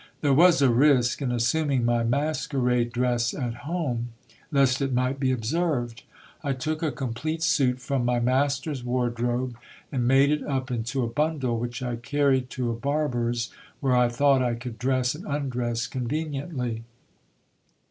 There was a risk in assuming my mas querade dress at home, lest it might be observed. I took a complete suit from my master's wardrobe, and made it up into a bundle, which I carried to a bar ber's, where I thought I could dress and undress conveniently.